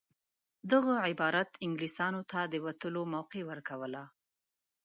دغه عبارت انګلیسیانو ته د وتلو موقع ورکوله.